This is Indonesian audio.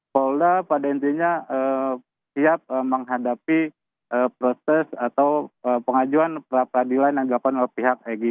polda pada intinya siap menghadapi proses atau pengajuan peradilan yang dilakukan oleh pihak egy